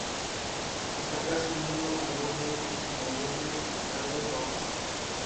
Tras su lanzamiento, recibió críticas positivas de los críticos musicales.